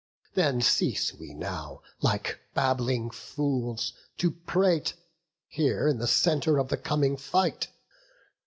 Then cease we now, like babbling fools, to prate Here in the centre of the coming fight.